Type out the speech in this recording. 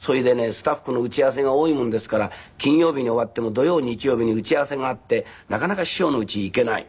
スタッフの打ち合わせが多いもんですから金曜日に終わっても土曜日曜日に打ち合わせがあってなかなか師匠の家へ行けない。